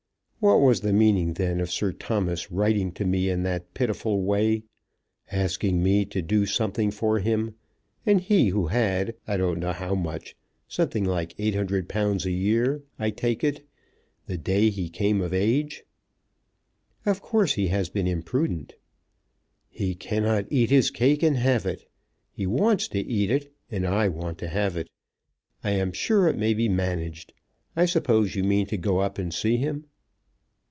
What was the meaning then of Sir Thomas writing to me in that pitiful way, asking me to do something for him; and he who had I don't know how much, something like £800 a year, I take it, the day he came of age?" "Of course he has been imprudent." "He cannot eat his cake and have it. He wants to eat it, and I want to have it. I am sure it may be managed. I suppose you mean to go up and see him."